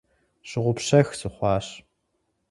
Щыгъупщэх сыхъуащ.